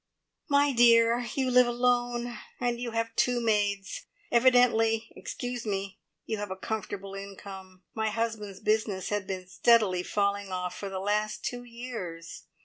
"My dear, you live alone, and you have two maids. Evidently excuse me you have a comfortable income. My husband's business has been steadily falling off for the last two years.